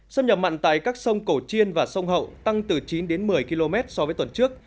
xâm nhập mặn tại các sông cổ chiên và sông hậu tăng từ chín đến một mươi km so với tuần trước